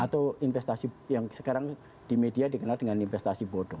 atau investasi yang sekarang di media dikenal dengan investasi bodong